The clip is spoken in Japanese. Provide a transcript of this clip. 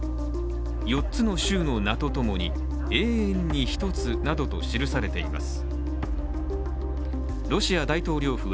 ４つの州の名とともに「永遠に一つ」などと記されています。